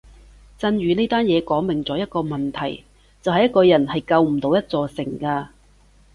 震宇呢單嘢講明咗一個問題就係一個人係救唔到一座城嘅